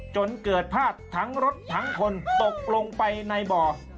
จนเกิดพลาดทั้งรถทั้งคนตกลงไปในบ่อ